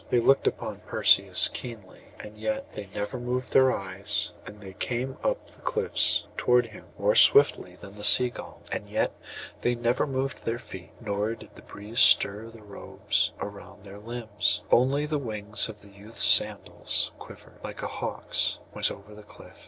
They looked upon Perseus keenly, and yet they never moved their eyes; and they came up the cliffs towards him more swiftly than the sea gull, and yet they never moved their feet, nor did the breeze stir the robes about their limbs; only the wings of the youth's sandals quivered, like a hawk's when he hangs above the cliff.